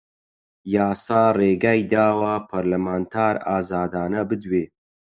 یاسا ڕێگەی داوە پەرلەمانتار ئازادانە بدوێ